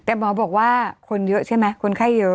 แต่หมอบอกว่าคนเยอะใช่ไหมคนไข้เยอะ